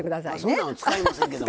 そんなの使いませんけども。